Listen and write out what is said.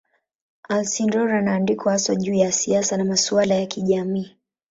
Alcindor anaandikwa haswa juu ya siasa na masuala ya kijamii.